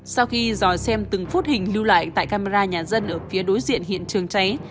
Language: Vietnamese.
sau khi dò xem từng phút hình lưu lại tại camera nhà dân ở phía đối diện hiện trường cháy